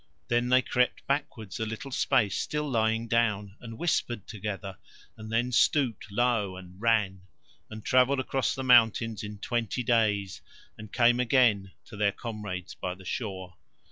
Then they crept backward a little space, still lying down, and whispered together and then stooped low and ran, and travelled across the mountains in twenty days and came again to their comrades by the shore.